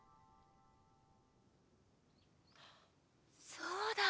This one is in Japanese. そうだ！